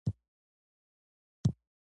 د تبلیغ وسایل او دولتي دستګاوې د دوی دي